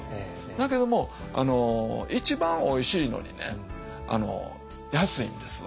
だけども一番おいしいのに安いんですわ。